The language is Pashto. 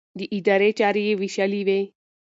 د ادارې چارې يې وېشلې وې.